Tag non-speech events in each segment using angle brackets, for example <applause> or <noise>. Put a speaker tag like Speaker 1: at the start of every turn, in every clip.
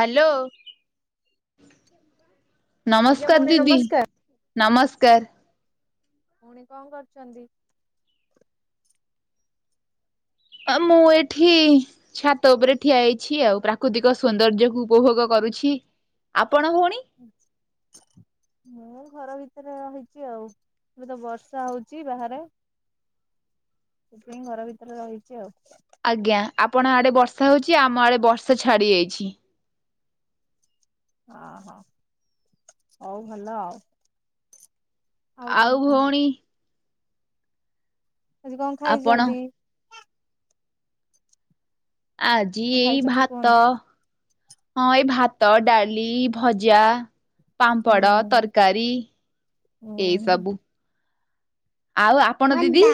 Speaker 1: Hello.
Speaker 2: ଆଜ୍ଞା
Speaker 1: ନମସ୍କାର
Speaker 2: ଭଉଣୀ
Speaker 1: ଦିଦି,
Speaker 2: ନମସ୍କାର।
Speaker 1: ନମସ୍କାର।
Speaker 2: ପୁଣି କଣ କରୁଚନ୍ତି?
Speaker 1: ଆ ମୁଁ ଏଇଠି ଛାତ ଉପରେ ଠିଆ ହେଇଛି ଆଉ ପ୍ରାକୃତିକ ସୌନ୍ଦର୍ଯ୍ୟ କୁ ଉପଭୋଗ କରୁଛି। ଆପଣ ଭଉଣୀ।
Speaker 2: ମୁଁ ଘର ଭିତରେ ରହିଛି ଆଉ। ଏବେ ତ ବର୍ଷା ହଉଚି ବାହାରେ ସେଥିପାଇଁ ଘର ଭିତରେ ରହିଛି ଆଉ।
Speaker 1: ଆଜ୍ଞା ଆପଣ ଆଡ଼େ ବର୍ଷା ହେଉଛି ଆମ ଆଡ଼େ ବର୍ଷା ଛାଡ଼ି ଯାଇଛି।
Speaker 2: ହ ହୋ ହଉ ଭଲ ଆଉ। କଣ
Speaker 1: ଆଉ
Speaker 2: କୁହନ୍ତୁ?
Speaker 1: ଭଉଣୀ
Speaker 2: ଆଜି କଣ
Speaker 1: ଆପଣ
Speaker 2: ଖାଇଛନ୍ତି?
Speaker 1: ଆଜି
Speaker 2: କଣ
Speaker 1: ଏଇ
Speaker 2: ଖାଇଛନ୍ତି
Speaker 1: ଭାତ।
Speaker 2: କୁହନ୍ତୁ?
Speaker 1: ହଁ ଏଇ ଭାତ ଡାଲି ଭଜା। ପାମ୍ପଡ
Speaker 2: ହୁଁ।
Speaker 1: ତରକାରୀ
Speaker 2: ହୁଁ
Speaker 1: ଏଇ
Speaker 2: ହୁଁ
Speaker 1: ସବୁ। ଆଉ ଆପଣ ଦିଦି?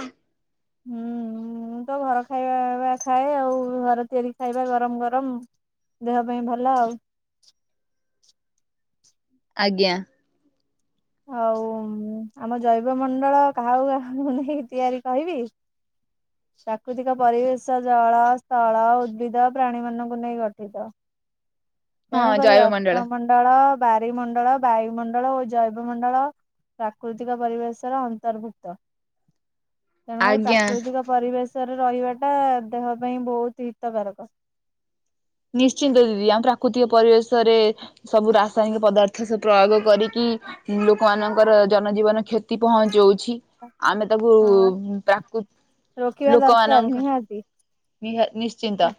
Speaker 2: ହୁଁ ମୁଁ ତ ଘର ଖାଇବା ଖାଏ ଆଉ ଘରେ ତିଆରି ଖାଇବା ଗରମ ଗରମ। ଦେହ ପାଇଁ ଭଲ ଆଉ।
Speaker 1: ଆଜ୍ଞା।
Speaker 2: ହଉ ଆମ ଜୈବ ମଣ୍ଡଳ କାହାକୁ କାହା ନେଇକି ତିଆରି କହିବି? ପ୍ରାକୃତିକ ପରିବେଶ ଜଳ ସ୍ଥଳ ଉଦ୍ଭିଦ ପ୍ରାଣୀ ମାନଙ୍କୁ ନେଇ ଗଠିତ।
Speaker 1: ହଁ
Speaker 2: ତେଣୁକରି
Speaker 1: ଜୈବମଣ୍ଡଳ
Speaker 2: ଅଷ୍ଟମମଣ୍ଡଳ ବାରିମଣ୍ଡଳ ବାୟୁମଣ୍ଡଳ ଓ ଜୈବ ମଣ୍ଡଳ ପ୍ରାକୃତିକ ପରିବେଶର ଅନ୍ତର୍ଭୁକ୍ତ। ତେଣୁକରି
Speaker 1: ଆଜ୍ଞା
Speaker 2: ପ୍ରାକୃତିକ ପରିବେଶରେ ରହିବା ଟା ଦେହ ପାଇଁ ବହୁତ ହିତକାରକ।
Speaker 1: ନିଶ୍ଚିନ୍ତ ଦିଦି ଆମ ପ୍ରାକୃତିକ ପରିବେଶରେ ସବୁ ରାସାୟନିକ ପଦାର୍ଥ ସବ ପ୍ରୟୋଗ କରିକି ଲୋକମାନଙ୍କର ଜନଜୀବନ କ୍ଷତି ପହଞ୍ଚଉଛି। ଆମେ ତାକୁ
Speaker 2: ହଁ ବା ରୋକିବା
Speaker 1: ପ୍ରାକୃତ
Speaker 2: ଦରକାର
Speaker 1: ଲୋକମାନଙ୍କର
Speaker 2: ନିହାତି।
Speaker 1: ନିହା ନିଶ୍ଚିନ୍ତ।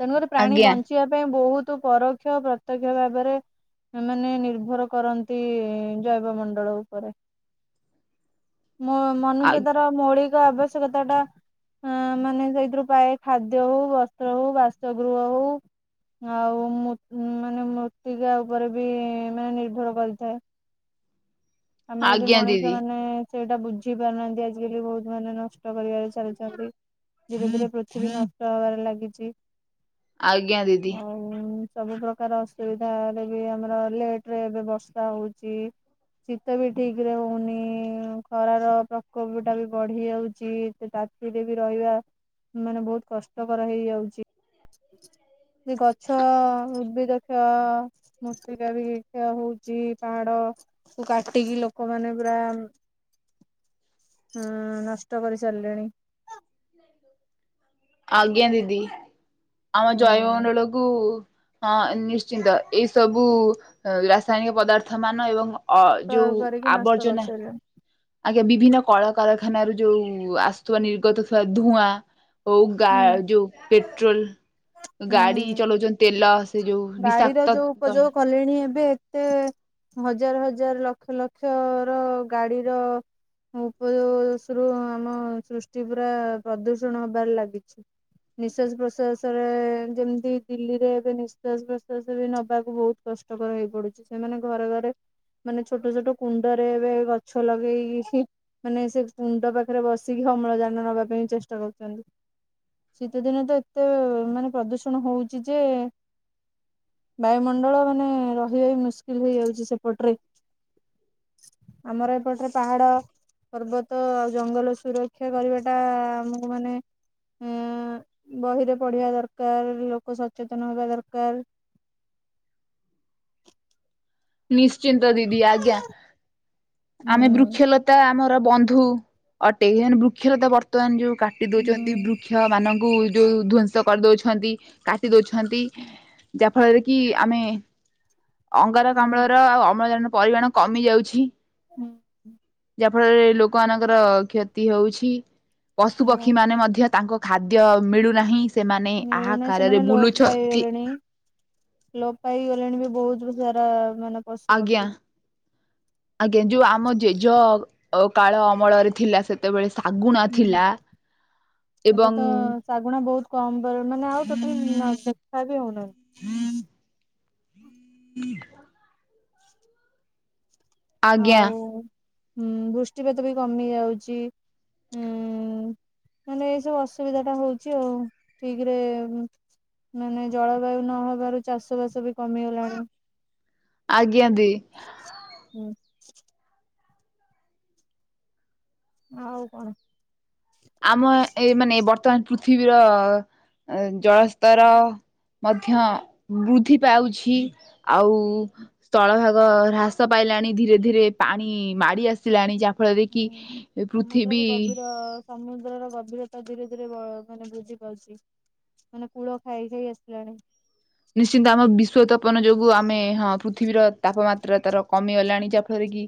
Speaker 2: ତେଣୁକରି ପ୍ରାଣୀ
Speaker 1: ଆଜ୍ଞା
Speaker 2: ବଞ୍ଚିବା ପାଇଁ ବହୁତ ପରୋକ୍ଷ ଓ ପ୍ରତ୍ୟକ୍ଷ ଭାବରେ ସେମାନେ ନିର୍ଭର କରନ୍ତି ଜୈବ ମଣ୍ଡଳ ଉପରେ।
Speaker 1: ଆ
Speaker 2: ମନୁଷ୍ୟ ତାର ମୌଳିକ ଆବଶ୍ୟକତା ଟା ଅ ମାନେ ସେଇଥିରୁ ପାଏ ଖାଦ୍ୟ ହଉ ବସ୍ତ୍ର ହଉ ବାସଗୃହ ହଉ ଆଉ ମାନେ ମୃତ୍ତିକା ଉପରେ ବି ମାନେ ନିର୍ଭର କରିଥାଏ। ଆମେ ଯଦି
Speaker 1: ଆଜ୍ଞା
Speaker 2: ମଣିଷ
Speaker 1: ଦିଦି
Speaker 2: ମାନେ ସେଇଟା ବୁଝି ପାରୁନାହାନ୍ତି ଆଜିକାଲି ବହୁତ ମାନେ ନଷ୍ଟ କରିବାରେ ଚାଲିଛନ୍ତି। ଧୀରେ ଧୀରେ ପୃଥିବୀ ନଷ୍ଟ ହବାରେ ଲାଗିଛି।
Speaker 1: ଆଜ୍ଞା ଦିଦି।
Speaker 2: ଉଁ ସବୁ ପ୍ରକାର ଅସୁବିଧା ବି ଆମର ଲେଟ ରେ ଏବେ ବର୍ଷା ହଉଛି। ଶୀତ ବି ଠିକ ରେ ହଉନି ଖରାର ପ୍ରକୋପ ଟା ବି ବଢି ଯାଉଛି। ତା ରେ ବି ରହିବା ମାନେ ବହୁତ କଷ୍ଟକର ହେଇଯାଉଛି। ସେ ଗଛ ଉଦ୍ଭିଦ କ୍ଷୟ ମ୍ରୁତିକା ବି କ୍ଷୟ ହଉଛି ପାହାଡ କାଟିକି ଲୋକମାନେ ପୁରା ହୁଁ ନଷ୍ଟ କରି ସାରିଲେଣି।
Speaker 1: ଆଜ୍ଞା ଦିଦି ଆମ
Speaker 2: ହୁଁ
Speaker 1: ଜୈବମଣ୍ଡଳ କୁ ଅ ନିଶ୍ଚିନ୍ତ ଏଇ ସବୁ ରାସାୟନିକ ପଦାର୍ଥ ମାନ ଏବଂ ଅ
Speaker 2: ପ୍ରୟୋଗ
Speaker 1: ଯୋଉ
Speaker 2: କରିକି ନଷ୍ଟ
Speaker 1: ଆବର୍ଜନା
Speaker 2: କରିସାରିଲେଣି
Speaker 1: ଆଜ୍ଞା ବିଭିନ୍ନ କଳକାରଖାନାରୁ ଯୋଉ ଆସୁଥିବା ନିର୍ଗତ ଧୁଆ ଓ ଗା
Speaker 2: ହୁଁ
Speaker 1: ଯୋଉ ପେଟ୍ରୋଲ ଗାଡି
Speaker 2: ହୁଁ।
Speaker 1: ଚଲଉଛନ୍ତି ତେଲ ସେ ଯୋଉ
Speaker 2: ଗାଡିର
Speaker 1: ବିଷାକ୍ତ
Speaker 2: ଯୋଉ ଉପଯୋଗ କଲେଣି ଏବେ। ଏ ହଜାର ହଜାର ଲକ୍ଷ ଲକ୍ଷ ର ଗାଡିର <unintelligible> ସୃଷ୍ଟି ପୁରା ପ୍ରଦୂଷଣ ହେବାରେ ଲାଗିଛି। ନିଶ୍ୱାସ ପ୍ରଶ୍ୱାସରେ ଯେମିତି ଦିଲ୍ଲୀରେ ଏବେ ନି ନିଶ୍ୱାସ ପ୍ରଶ୍ୱାସ ବି ନବାକୁ ବହୁତ କଷ୍ଟକର ହେଇ ପଡୁଛି ସେମାନେ ଘରେ ଘରେ ମାନେ ଛୋଟ ଛୋଟ କୁଣ୍ଡରେ ଏବେ ଗଛ ଲଗେଇକି ସେ ମାନେ ସେ ମୁଣ୍ଡ ପାଖରେ ବସିକି ଅମଳଜାନ ନବା ପାଇଁ ଚେଷ୍ଟା କରୁଛନ୍ତି। ଶୀତଦିନେ ତ ଏତେ ମାନେ ପ୍ରଦୂଷଣ ହଉଛି ଯେ ବାୟୁମଣ୍ଡଳ ମାନେ ରହିବା ହଉନି ମୁସ୍କିଲ ହେଇଯାଉଛି ସେପଟରେ। ଆମର ଏପଟରେ ପାହାଡ ପର୍ବତ ଆଉ ଜଙ୍ଗଲ ସୁରକ୍ଷା କରିବାଟା ଆମକୁ ମାନେ ଆଁ ବହିରେ ପଢିବା ଦରକାର ଲୋକ ସଚେତନ ହବା ଦରକାର।
Speaker 1: ନିଶ୍ଚିନ୍ତ ଦିଦି ଆଜ୍ଞା
Speaker 2: ହଁ
Speaker 1: ଆମେ ବୃକ୍ଷଲତା ଆମର ବନ୍ଧୁ ଅଟେ ସେ ବୃକ୍ଷରତା ବର୍ତ୍ତମାନ ଯୋଉ କାଟି ଦଉଛନ୍ତି ବୃକ୍ଷ ମାନଙ୍କୁ ଯୋଉ ଧୋଂଶ। କରିଉଛନ୍ତି କାଟି ଦଉଛନ୍ତି ଯାହା ଫଳରେ କି ଆମେ ଅଙ୍ଗ ଅମ୍ଳର ଅମ୍ଳଜାନ ପରିମାଣ କମି ଯାଉଛି।
Speaker 2: ହୁଁ ହ
Speaker 1: ଯାହା ଫଳରେ ଲୋକମାନାନଙ୍କର କ୍ଷତି ହଉଛି ପଶୁ
Speaker 2: ହଁ
Speaker 1: ପକ୍ଷୀ ମାନେ ମଧ୍ୟ ତାଙ୍କ ଖାଦ୍ୟ ମିଳୁନାହିଁ ସେମାନେ ଆହା
Speaker 2: ମିଳୁନାହିଁ ସେମାନେ
Speaker 1: କାରରେ ବୁଲୁଛନ୍ତି।
Speaker 2: ଲୋ ପାଇ ହେଇଗଲେଣି ବି ବହୁତ ଘର ମାନେ ପଶୁ
Speaker 1: ଆଜ୍ଞା
Speaker 2: ପକ୍ଷୀ।
Speaker 1: ଆଜ୍ଞା ଯୋଉ ଆମ ଜେଜ କାଳ ଅମଳରେ ଥିଲା ସେ କେତେବେଳେ ଶାଗୁଣ
Speaker 2: ହୁଁ
Speaker 1: ଥିଲା
Speaker 2: ଏବେ ତ
Speaker 1: ଏବଂ
Speaker 2: ଶାଗୁଣା ବହୁତ କମ ମାନେ ଆଉ ତ ଦେଖା ବି ହଉନାହିଁ।
Speaker 1: ହୁଁ ଆଜ୍ଞା
Speaker 2: ଆଉ ହଁ ବୃଷ୍ଟିପାତ ବି କମି ଯାଉଛି। ହୁଁ ମାନେ ଏଇସବୁ ଅସୁବିଧା ଟା ହଉଛି ଆଉ ଠିକରେ ମାନେ ଜଳବାୟୁ ନହବାରୁ ଚାଷ ବାସ ବି କମିଗଲାଣି?
Speaker 1: ଆଜ୍ଞା ଦେଇ।
Speaker 2: ହୁଁ। ଆଉ କଣ?
Speaker 1: ଆମ ଏ ମାନେ ବର୍ତ୍ତମାନ ଯଅ ଜଳସ୍ତର ମଧ୍ୟ ବୃଦ୍ଧି ପାଉଛି ଆଉ ସ୍ଥଳ ଭାଗ ହ୍ରାସ ପାଇଲାଣି ଧୀରେ ଧୀରେ ପାଣି ମାଡି ଆସ ଆସିଲାଣି ଯାହାଫଳରେ କିି
Speaker 2: ହୁଁ ସମୁଦ୍ର
Speaker 1: ପୃଥିବୀ
Speaker 2: ବି ଗଭୀର ସମୁଦ୍ରର ଗଭୀରତା ଧୀରେ ଧୀରେ ବ ମାନେ ବୃଦ୍ଧି ପାଇଛି। ମାନେ କୁଳ ଖାଇ ଖାଇ ଆସିଲାଣି।
Speaker 1: ନିଶ୍ଚିନ୍ତ ଆମ ବିଶ୍ୱତପନ ଯୋଗୁ ଆମେ ହଁ ପୃଥିବୀର ତାପମାତ୍ରା ତାର କମିଗଲାଣି ଯାହାଫଳରେ କି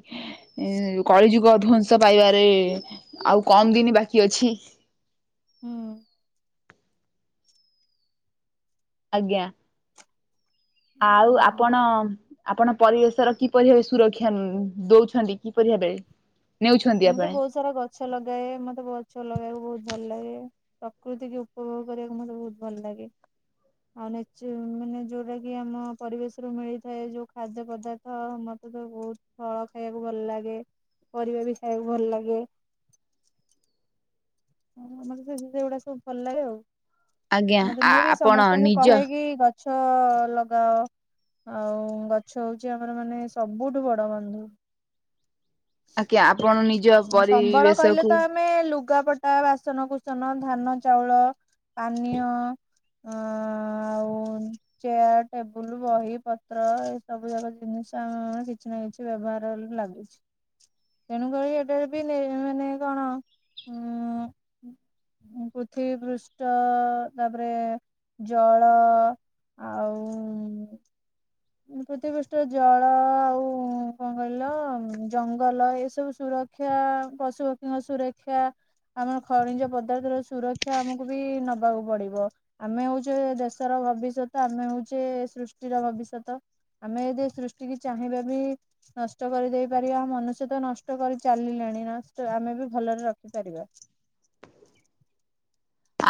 Speaker 1: ଉ କଳିଯୁଗ ଧ୍ଵଂସ ପାଇବାରେ ଆଉ କମ ଦିନ ବାକି ଅଛି।
Speaker 2: ହୁଁ।
Speaker 1: ଆଜ୍ଞା। ଆଉ ଆପଣ ଆପଣ ପରିବେଶର କିପରି ଭାବେ ସୁରକ୍ଷା ଉ ନ ଦଉଛନ୍ତି କିପରି ଭାବେ ନେଉଛନ୍ତି
Speaker 2: ମୁଁ ତ
Speaker 1: ଆପଣ
Speaker 2: ବହୁତ ସାରା ଗଛ ଲଗାଏ ମତେ ଗଛ ଲଗେଇବାକୁ ବହୁତ ଭଲ ଲାଗେ ପ୍ରକୃତିକୁ ଉପଭୋଗ କରିବାକୁ ମତେ ବହୁତ ଭଲ ଲାଗେ ଆଉ ମାନେ ଯୋଉଟା କି ଆମ ପରିବେଶରୁୁ ମିଳିଥାଏ ଯୋଉ ଖାଦ୍ୟ ପଦା ତ ମତେ ତ ବହୁତ ଫଳ ଖାଇବାକୁ ଭଲ ଲାଗେ ପରିବା ବି ଖାଇବାକୁ ଭଲ ଲାଗେ ହ ଆମର ସେ ସେଗୁଡା ସବୁ ଲାଗେ ଆଉ
Speaker 1: ଆଜ୍ଞା
Speaker 2: ମତେ ମୁଁ ବି
Speaker 1: ଆପଣ
Speaker 2: ସମସ୍ତଙ୍କୁ
Speaker 1: ନିଜ
Speaker 2: କହକି ମାଛ ଲଗାଅ ଆଉ ଗଛ ହଉଛି ଆମର ମାନେ ସବୁଠୁ ବଡ ବନ୍ଧୁ
Speaker 1: ଆଜ୍ଞା ଆପଣ ମାନେ ନିଜ
Speaker 2: ସମ୍ବଳ
Speaker 1: ପରିବେଶ
Speaker 2: କହିଲେ
Speaker 1: କୁ
Speaker 2: ତ ଆମେ ଲୁଗାପଟା ବାସନ କସନ ଧାନ ଚାଉଳ ପାନୀୟ ହଁ ଆଉ ଚେୟାର ଟେବୁଲ ବହି ପତ୍ର ଏ ସବୁ ଯାକ ଜିନିଷ ଆମେ କିଛି ନା କିଛି ବ୍ୟବହାର ହେଲେ ଲାଗୁଛି ତେଣୁକଳି ଏବେ ଏଇଟି ନ ମାନେ କଣ ଉଁ ଉ ପୃଥିବୀ ପୃଷ୍ଠ ତାପରେ ଜଳ ଆଉ ପୃଥବୀ ପୃଷ୍ଠର ଜଳ ଆଉ କଣ କହିଲ ଜଙ୍ଗଲ ଏସବୁ ସୁର ରା ପଶୁପକ୍ଷୀଙ୍କ ସୁରକ୍ଷା ଆମର ଖଣିଜ ପଦାର୍ଥର ସୁରକ୍ଷା ଆମକୁ ବି ନବାକୁ ପଡିବ ଆମେ ହଉଛେ ଦେଶର ଭବିଷ୍ୟତ ଆମେ ହଉଛେ ସୃଷ୍ଟି ର ଭବିଷ୍ୟତ ତ ଆମେ ଯଦି ସୃଷ୍ଟି କି ଚାହିଁବା ବି ନଷ୍ଟ କରିଦେଇ ପାରିବା ମନୁଷ୍ୟ ତ ନଷ୍ଟ କରି ଚାଲିଲେଣି ନଷ୍ଟ ଆମେ ବି ଭଲରେ ରଖିପାରିବା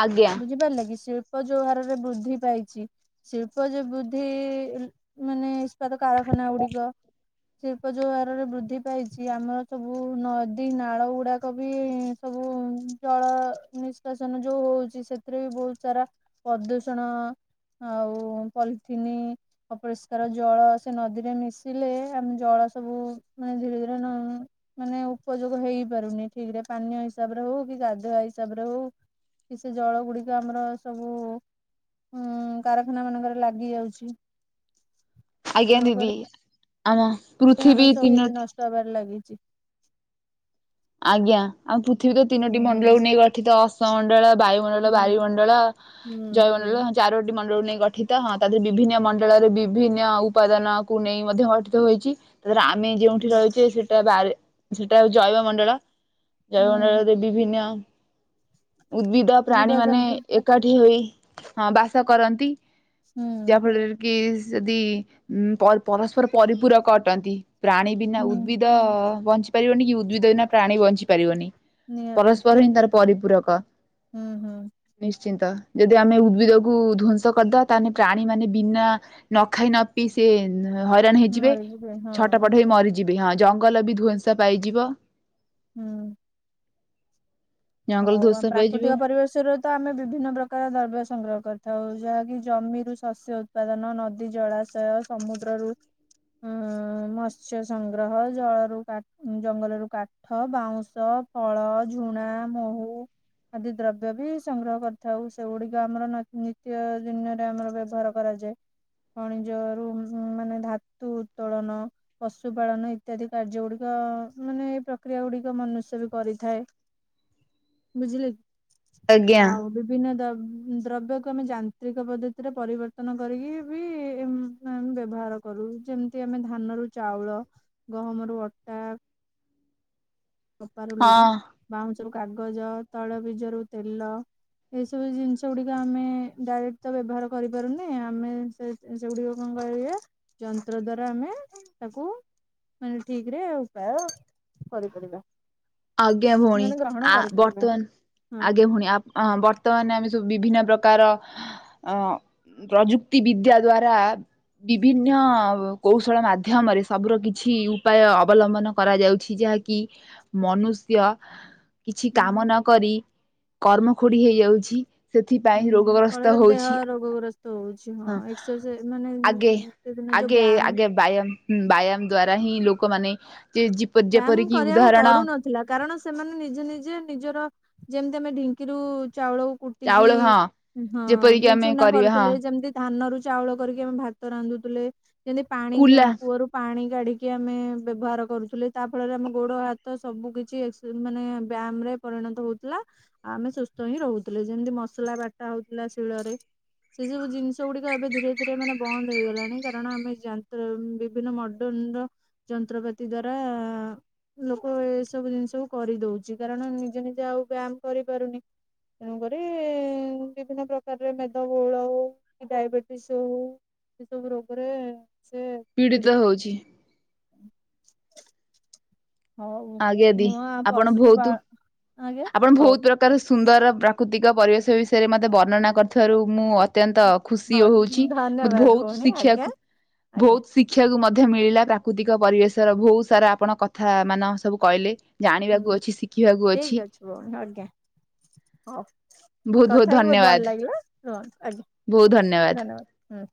Speaker 1: ଆଜ୍ଞା
Speaker 2: ବୁଝିପାରିଲା କି ଶିଳ୍ପ ଯୋଉ ହାରରେ ବୃଦ୍ଧି ପାଇଛି ଶିଳ୍ପ ଯୋଉ ବୃଦ୍ଧି ଉ ଇସ୍ପାତ କାରଖାନା ଗୁଡିକ ଶିଳ୍ପ ଯଉହାରରେ ବୃଦ୍ଧି ପାଇଛି ଆମର ସବୁ ନଦୀ ନାଳ ଗୁଡାକ ବି ସବୁ ଜଳ ନିଷ୍କାସନ ଯୋଉ ହଉଛି ସେ ସେଥିରେ ବି ବହୁତ ସାରା ପ୍ରଦୂଷଣ ଆଉ ପଲିଥିନ୍ ଅପରିଷ୍କାର ଜଳ ସେ ନଦୀରେ ମିଶିଲେ ଆମ ଜଳ ସବୁ ମାନେ ଧୀରେ ଧୀରେ ନ ମାନେ ଉପଯୋଗ ହେଇପାରୁନି ଠିକ ରେ ପାନୀୟ ହିସାବରେ ହଉ କି ଗାଧୁଆ ହିସାବ ରେ ହଉ କି ସେ ଜଳ ଗୁଡିକ ଆମର ସବୁ ହୁଁ କାରଖାନା ମାନଙ୍କରେ ଲାଗି ଯାଉଛି
Speaker 1: ଆଜ୍ଞା ଦିଦି ଆମ
Speaker 2: ଏଠି
Speaker 1: ପୃଥିବୀ
Speaker 2: ଆମର ସବୁ
Speaker 1: ତିନୋଟି
Speaker 2: ନଷ୍ଟ ହବାରେ ଲାଗିଛି
Speaker 1: ଆଜ୍ଞା ଆମେ ପୃଥିବୀ ତ ତିନୋଟି
Speaker 2: ହୁଁ।
Speaker 1: ମଣ୍ଡଳକୁ ନେଇ ଗଠିତ ଅସ୍ତ ମଣ୍ଡଳ ବାୟୁ ମଣ୍ଡଳ
Speaker 2: ହୁଁ
Speaker 1: ବାରିମଣ୍ଡଳ
Speaker 2: ହୁଁ ହୁଁ।
Speaker 1: ଜୟମଣ୍ଡଳ ଚାରୋଟି ମଣ୍ଡଳ କୁ ନେଇ ଗଠିତ ହଁ ତା ଦେହରେ ବିଭିନ୍ନ ମଣ୍ଡଳରେ ବିଭିନ୍ନ ଉପାଦାନକୁ ନେଇ ମଧ୍ୟ ଗଠିତ ହୋଇଛି ତାପରେ ଆମେ
Speaker 2: ହୁଁ
Speaker 1: ଯୋଉଠି ରହିଛେ ସେଟା ବାୟୁ ସେଟା ଜୈବ ମଣ୍ଡଳ
Speaker 2: ହୁଁ
Speaker 1: ଜୟମଣ୍ଡଳରେ ବିଭିନ୍ନ ଉଦ୍ଭିଦ ପ୍ରାଣୀ ମାନେ
Speaker 2: ଜୀବଜନ୍ତୁ
Speaker 1: ଏ ଏକାଠି ହୋଇ ହ ବାସ କରନ୍ତି
Speaker 2: ହୁଁ
Speaker 1: ଯାହାଫଳରେ କିସେ ଯଦି ଉ ପରସ୍ପର ପରିପୂରକ ଅଟନ୍ତି। ପ୍ରାଣୀ ବିନା
Speaker 2: ହୁଁ।
Speaker 1: ଉଦ୍ଭିଦ ବଞ୍ଚି ପାରିବନି କି ଉଦ୍ଭିଦ ବିନା ପ୍ରାଣୀ ବଞ୍ଚି ପାରିବନି
Speaker 2: ନିହାତି।
Speaker 1: ପରସ୍ପର ହିଁ ତାର ପରିପୂରକ
Speaker 2: ହୁଁ ହୁଁ
Speaker 1: ନିଶ୍ଚିନ୍ତ ଯଦି ଆମେ ଉଦ୍ଭିଦକୁ ଧ୍ୱସଂ କରିଦବା ତାହେଲେ ପ୍ରାଣୀ ମାନେ ବିନା ନ ଖାଇ ନ ପି ସେ ହଇରାଣ ହେଇଯିବେ
Speaker 2: ମରିଯିବେ ହଁ
Speaker 1: ଛଟ
Speaker 2: ହଁ।
Speaker 1: ପଟ ହେଇ ମରିଯିବେ ହଁ ଜଙ୍ଗଲ ବି ଧ୍ବଂସ ପାଇଯିବ
Speaker 2: ହୁଁ
Speaker 1: ଜଙ୍ଗଲ
Speaker 2: ହଉ ଆ
Speaker 1: ଧ୍ଵଂସ ପାଇଯିବ।
Speaker 2: ପ୍ରାକୃତିକ ପରିବେଶ ର ତ ଆମେ ବିଭିନ୍ନ ପ୍ରକାର ଦ୍ରବ୍ୟ ସଂଗ୍ରହ କରିଥାଉ ଯାହାକି ଜମିରୁ ଶସ୍ୟ ଉତ୍ପାଦନ ନଦୀ ଜଳାଶୟ ସମୁଦ୍ରରୁ ଉଁ ମତ୍ସ୍ୟ ସଂଗ୍ରହ ଜଳରୁ ଜଙ୍ଗଲରୁ କା ଠ ବାଉଁଶ ଫଳ ଝୁଣା ମହୁ ଆଦି ଦ୍ରବ୍ୟ ବି ସଂଗ୍ରହ କରିଥାଉ ସେଗୁଡିକ ଆମର ନିତ୍ୟ ଦିନରେ ଆମର ବ୍ୟବହାର କରାଯାଏ ଖଣିଜ ରୁ ମାନେ ଧାତୁ ଉତ୍ତୋଳନ ପଶୁ ପାାଳନ ଇତ୍ୟାଦି କାର୍ଯ୍ୟ ଗୁଡିକ ମାନେ ଏଇ ପ୍ରକ୍ରିୟା ଗୁଡିକ ମନୁଷ୍ୟ ବି କରିଥାଏ। ବୁଝିଲେ
Speaker 1: ଆଜ୍ଞା
Speaker 2: ଆଉ ବିଭିନ୍ନ ଦ ଦ୍ରବ୍ୟକୁ ଆମେ ଯାନ୍ତ୍ରିକ ପଦ୍ଧତିରେ ପରିବର୍ତ୍ତନ କରିକି ବି ବ୍ୟବହାର କରୁ ଯେମିତି ଆମେ ଧାନ ରୁ ଚାଉଳ ଗହମ ରୁ ଅଟା କପାରୁ
Speaker 1: ହଁ
Speaker 2: ଲୁଣି ବାଉଁଶରୁ କାଗଜ ତୈଳବୀଜ ରୁ ତେଲ ଏଇସବୁ ଜିନିଷ ଗୁଡିକ ଆମେ ଡାଇରେକ୍ଟ ତ ବ୍ୟବହାର କରିପାରୁନେ ଆମେ ସେ ସେଗୁଡିକ କଣ କରିବା ଯନ୍ତ୍ର ଦ୍ଵାରା ଆମେ ତାକୁ ମାନେ ଠିକ ରେ ଉପାୟ କରିପାରିବା।
Speaker 1: ଆଜ୍ଞା ଭଉଣୀ
Speaker 2: ମାନେ ଗ୍ରହଣ
Speaker 1: ଆ
Speaker 2: କରିପାରିବା
Speaker 1: ବର୍ତ୍ତମାନ
Speaker 2: ହଁ।
Speaker 1: ଆଜ୍ଞା ଭଉଣୀ ଅ ବର୍ତ୍ତମାନ ଆମେ ସବୁ ବିଭିନ୍ନ ପ୍ରକାର ଅ ପ୍ରଯୁକ୍ତି ବିଦ୍ୟା ଦ୍ଵାରା ବିଭିନ୍ନ କୌଶଳ ମାଧ୍ୟମରେ ସବୁର କିଛି ଉପାୟ ଅବଲମ୍ବନ କରାଯାଉଛି ଯାହାକି କି ମନୁଷ୍ୟ କିଛି କାମ
Speaker 2: ହୁଁ।
Speaker 1: ନ କରି କର୍ମ ଖୋଡି ହେଇଯାଉଛି। ସେଥିପାଇଁ
Speaker 2: ହୁଁ
Speaker 1: ରୋଗଗ୍ରସ୍ତ
Speaker 2: ଫଳରେ ଦେହ
Speaker 1: ହଉଛି
Speaker 2: ରୋଗ ଗ୍ରସ୍ତ ହଉଛି ହଁ ଏକ୍ସରସାଇଜ ମାନେ
Speaker 1: ଆଗେ
Speaker 2: ସେଦିନ ଯଉ
Speaker 1: ଆଗେ
Speaker 2: ବ୍ୟାୟାମ
Speaker 1: ଆଗେ ବ୍ୟାୟାମ ବ୍ୟାୟାମ ଦ୍ଵାରା ହିଁ ଲୋକମାନେ ଯେପରିକି ଉଦାହରଣ
Speaker 2: ଥିଲା କାରଣ ସେମାନେ ନିଜେ ନିଜେ ନିଜର ଯେମିତି ଆମେ ଢିଙ୍କିରୁ ଚାଉଳକୁ ଟିକି
Speaker 1: ଚାଉଳ ହଁ
Speaker 2: ହଁ
Speaker 1: ଯେପରିକି
Speaker 2: ଯେ
Speaker 1: ଆମେ
Speaker 2: ଚୁନା
Speaker 1: କରିବା ହଁ
Speaker 2: କରୁଥିଲେ ଯେମିତି ଧାନରୁ ଚାଉଳ କରିକି ଆମେ ଭାତ ରାନ୍ଧୁଥିଲେ ଯେମିତି ପାଣି
Speaker 1: କୁଲା
Speaker 2: କୂଅରୁ ପାଣି କାଢିକି ଆମେ ବ୍ୟବହାର କରୁଥିଲେ ତା ଫଳରେ ଆମ ଗୋଡ ହାତ ସବୁ କିଛି ମାନେ ବ୍ୟାୟାମ ରେ ପରିଣତ ହଉଥିଲା ଆଉ ଆମେ ସୁସ୍ଥ ହିଁ ରହୁଥିଲେୁ ଯେମିତି ମସଲା ବାଟା ହଉଥିଲା ଶିଳରେ ସେ ସବୁ ଜିନିଷ ଗୁଡିକ ଏବେ ଧୀରେ ଧୀରେ ମାନେ ବନ୍ଦ ହେଇଗଲାଣି କାରଣ ଆମେ ଯନ୍ତ ବିଭିନ୍ନ ଡନ୍ ର ଯନ୍ତ୍ରପାତି ଦ୍ଵାରା ଲୋକ ଏସବୁ ଜିନିଷ କୁ କରିଦଉଛି କାରଣ ନିଜେ ନିଜେ ଆଉ ବ୍ୟାୟାମ କରିପାରୁନି ତେଣୁକରି ବିଭିନ୍ନ ପ୍ରକାରରେ ମେଦ ବହୁଳଉ ଡାଇବେଟିସ ହଉ ଏ ସବୁ ରୋଗରେ ସେ ପୀଡିତ।
Speaker 1: ପୀଡ଼ିତ ହଉଛି।
Speaker 2: ହଉ
Speaker 1: ଆଜ୍ଞା ଦି
Speaker 2: ମୁଁ ଆ
Speaker 1: ଆପଣ ବହୁତ
Speaker 2: ପଶୁପାଳ ଆଜ୍ଞା
Speaker 1: ଆପଣ
Speaker 2: ହଉ।
Speaker 1: ବହୁତ ପ୍ରକାର ସୁନ୍ଦର ପ୍ରାକୃତିକ ପରିବେଶ ବି ରେ ମତେ ବର୍ଣନା କରିୁଥିବାରୁ ମୁଁ ଅତ୍ୟନ୍ତ ଖୁସି
Speaker 2: ହଉ
Speaker 1: ହଉଛି ମତେ
Speaker 2: ଧନ୍ୟବାଦ
Speaker 1: ବହୁତ
Speaker 2: ଭଉଣୀ ଆଜ୍ଞା
Speaker 1: ଶିଖିବାକୁ
Speaker 2: ଆଜ୍ଞା।
Speaker 1: ଶିକ୍ଷିବାକୁ ମଧ୍ୟ ମିଳିଲା ପ୍ରାକୃତିକ ପରିବେଶର ବହୁ ସାରା ଆପଣ କଥା ମାନ ସବୁ କହିଲେ
Speaker 2: ହୁଁ
Speaker 1: ଜାଣିବାକୁ ଅଛି ଶିଖିବାକୁ
Speaker 2: ଠିକ ଅଛି ଭଉନ ଆଜ୍ଞା ହଉ
Speaker 1: ବହୁତ
Speaker 2: କଥା ହେଇକି ବହୁତ
Speaker 1: ଧନ୍ୟବାଦ
Speaker 2: ଭଲ ଲାଗିଲା ରୁହ ଆଜ୍ଞା।
Speaker 1: ବହୁତ ଧନ୍ୟବାଦ।
Speaker 2: ହୁଁ।